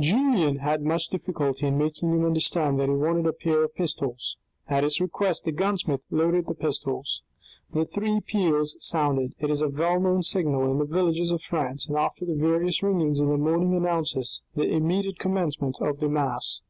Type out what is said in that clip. Julien had much difficulty in making him understand that he wanted a pair of pistols. At his request the gunsmith loaded the pistols. The three peals sounded ; it is a well known signal in the villages of France, and after the various ringings in the morning announces the immediate commencement of Mass.